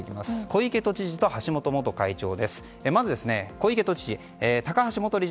小池都知事と橋本元会長。